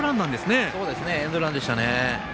エンドランでしたね。